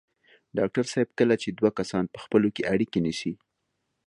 ډاکټر صاحب کله چې دوه کسان په خپلو کې اړيکې نیسي.